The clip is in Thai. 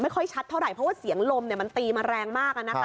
ค่อยชัดเท่าไหร่เพราะว่าเสียงลมมันตีมาแรงมาก